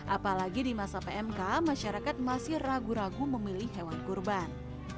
apalagi di masa pmk masyarakat masih ragu ragu memilih hewan kurban